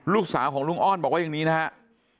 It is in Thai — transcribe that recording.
ลูกสาวของลุงอ้อนบอกว่าอย่างนี้นะครับ